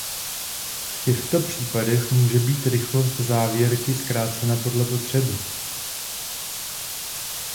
V těchto případech může být rychlost závěrky zkrácena podle potřeby.